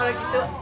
kalau gitu antri